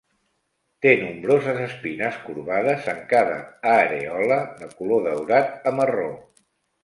Té nombroses espines corbades en cada arèola de color daurat a marró.